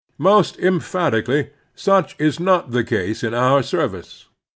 Most emphatically such is not the case in our service.